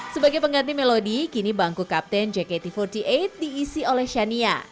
sebagai pengganti melodi kini bangku kapten jkt empat puluh delapan diisi oleh shania